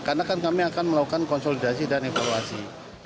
karena kan kami akan melakukan konsolidasi dan evaluasi